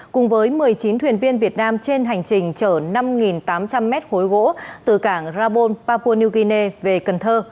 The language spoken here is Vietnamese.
cùng với một mươi chín thuyền viên việt nam trên hành trình chở năm tám trăm linh mét khối gỗ từ cảng rabon papua new guinea về cần thơ